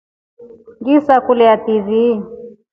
Ngilisakulia TV.